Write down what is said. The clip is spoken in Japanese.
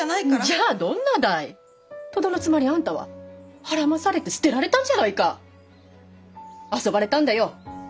じゃあどんなだい！とどのつまりあんたははらまされて捨てられたんじゃないか！遊ばれたんだよ！